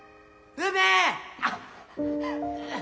梅！